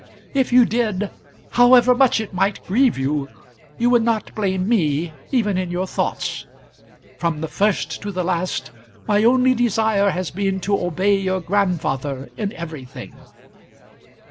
If you did, however much it might grieve you, you would not blame me, even in your thoughts. From the first to the last my only desire has been to obey your grandfather in everything."